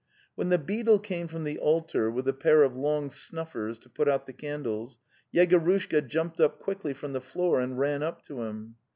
When the beadle came from the altar with a pair of long snuffers to put out the candles, Yegorushka jumped up quickly from the floor and ran up to him.